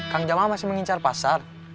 kang jamaah masih mengincar pasar